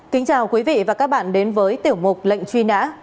kính chào quý vị và các bạn đến với tiểu mục lệnh truy nã